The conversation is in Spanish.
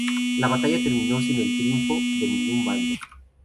La batalla terminó sin el triunfo de ningún bando.